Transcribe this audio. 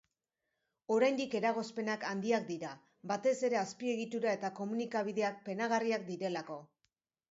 Oraindik eragozpenak handiak dira, batez ere azpiegitura eta komunikabideak penagarriak direlako.